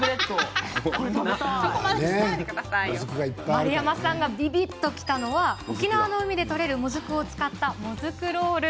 丸山さんが、びびっときたのは沖縄の海で取れるもずくを使ったもずくロール。